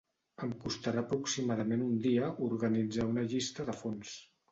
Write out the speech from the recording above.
Em costarà aproximadament un dia organitzar una llista de fonts.